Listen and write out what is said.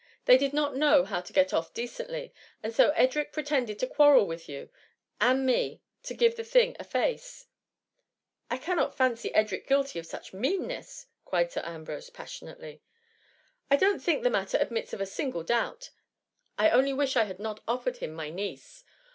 They did not know how to get off decently ; and so Edric pretended to quarrel with you and me, to give the thing a face,^ *^ I cannot fancy Edric guilty of such mean ^ ness,^ cried Sir Ambrose passionately. ^^ I don't think the matter admits of a single doubt : I only wish I had not offered him my niece.